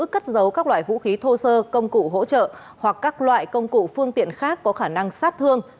cất dấu các loại vũ khí thô sơ công cụ hỗ trợ hoặc các loại công cụ phương tiện khác có khả năng sát thương